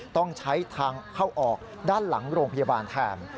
ต้องใช้ทางเข้าออกด้านหลังโรงพยาบาลแทน